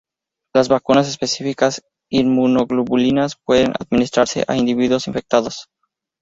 Las vacunas específicas de inmunoglobulinas pueden administrarse a individuos infectados.